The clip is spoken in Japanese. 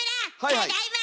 ただいま！